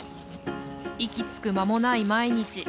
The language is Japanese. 息つく間もない毎日。